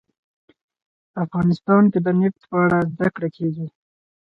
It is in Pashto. افغانستان کې د نفت په اړه زده کړه کېږي.